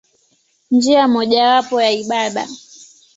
Njia mojawapo ya ibada.